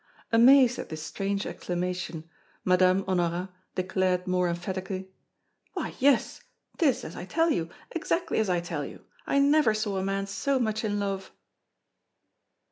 Amazed at this strange exclamation, Madame Honorat declared more emphatically: "Why, yes. 'Tis as I tell you, exactly as I tell you. I never saw a man so much in love!"